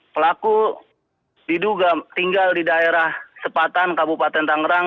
pelaku diduga tinggal di daerah sepatan kabupaten tangerang